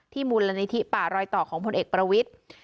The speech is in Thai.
มูลนิธิป่ารอยต่อของพลเอกประวิทธิ์